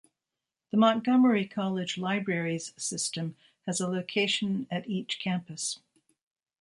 The Montgomery College Libraries system has a location at each campus.